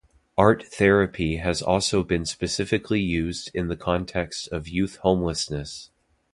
Art therapy has also been specifically used in the context of youth homelessness.